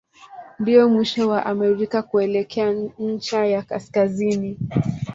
Ndio mwisho wa Amerika kuelekea ncha ya kaskazini.